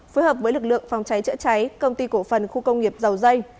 phối hợp với lực lượng phòng cháy chữa cháy công ty cổ phần khu công nghiệp dầu dây